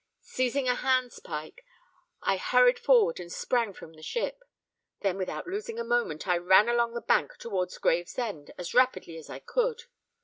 Seizing a handspike, I hurried forward, and sprang from the ship. Then, without losing a moment, I ran along the bank towards Gravesend, as rapidly as I could.